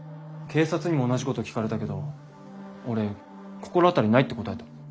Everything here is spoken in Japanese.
警察にも同じこと聞かれたけど俺心当たりないって答えた。